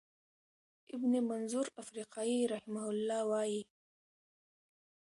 ابن منظور افریقایی رحمه الله وایی،